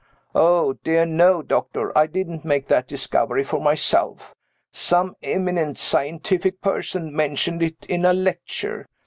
Oh, dear no, doctor; I didn't make that discovery for myself. Some eminent scientific person mentioned it in a lecture.